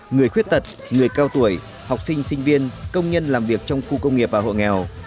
người khuyết tật người cao tuổi học sinh sinh viên công nhân làm việc trong khu công nghiệp và hộ nghèo